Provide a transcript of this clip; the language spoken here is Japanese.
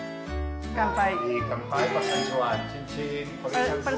乾杯。